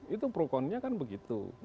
itu pro connya kan begitu